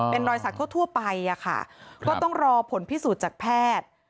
เป็นรอยสักทั่วไปอะค่ะก็ต้องรอผลพิสูจน์จากแพทย์